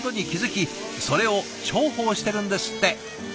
それを重宝してるんですって。